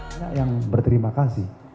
banyak yang berterima kasih